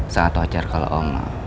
sangat wajar kalau om